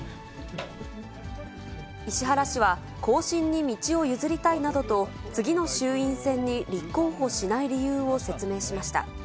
石原氏は、後進に道を譲りたいなどと、次の衆院選に立候補しない理由を説明しました。